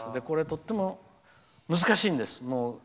これとっても難しいんです。